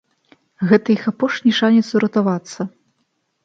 Гэта іх апошні шанец уратавацца.